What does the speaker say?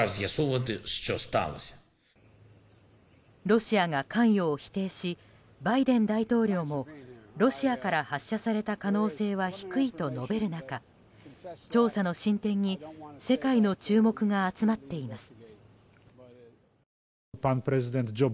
ロシアが関与を否定しバイデン大統領もロシアから発射された可能性は低いと述べる中調査の進展に世界の注目が集まっています。